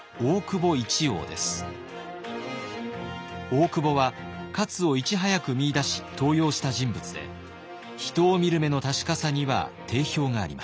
大久保は勝をいち早く見いだし登用した人物で人を見る目の確かさには定評がありました。